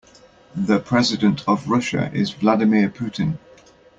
The president of Russia is Vladimir Putin.